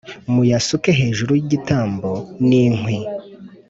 muyasuke hejuru y’igitambo n’inkwi